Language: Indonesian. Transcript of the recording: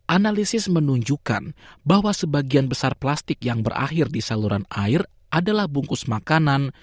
analisis menunjukkan bahwa sebagian besar plastik yang berakhir di saluran air adalah bungkus makanan